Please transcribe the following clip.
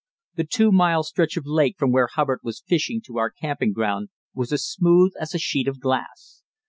The two mile stretch of lake from where Hubbard was fishing to our camping ground was as smooth as a sheet of glass.